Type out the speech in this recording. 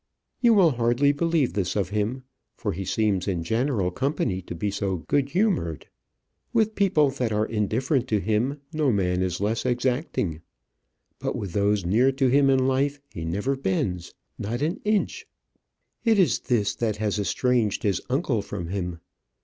You will hardly believe this of him, for he seems in general company to be so good humoured. With people that are indifferent to him, no man is less exacting; but with those near to him in life he never bends, not an inch. It is this that has estranged his uncle from him.